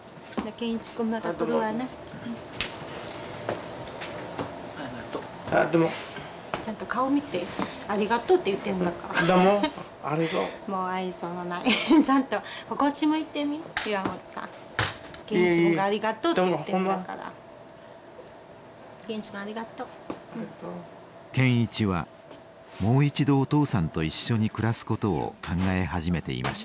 健一はもう一度お父さんと一緒に暮らすことを考え始めていました。